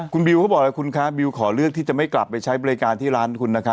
คุณบิวเขาบอกแล้วคุณคะบิวขอเลือกที่จะไม่กลับไปใช้บริการที่ร้านคุณนะคะ